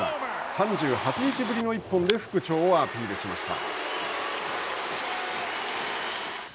３８日ぶりの１本で復調をアピールしました。